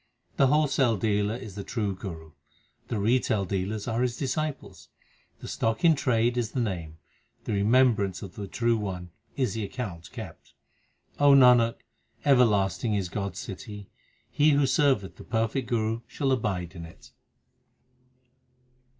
The wholesale dealer is the true Guru ; the retail dealers are his disciples ; The stock in trade is the Name ; the remembrance of the True One is the account kept. Nanak, everlasting is God s city ; He who serveth the perfect Guru shall abide in it.